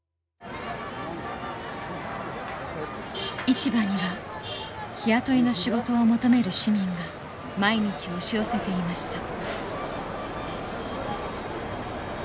市場には日雇いの仕事を求める市民が毎日押し寄せていました。